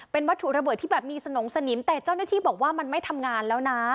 เป็นวัตถุระเบิดที่แบบมีสนงสนิมแต่เจ้าหน้าที่บอกว่ามันไม่ทำงานแล้วนะ